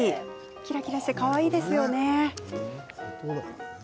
きらきらしてかわいいですよね。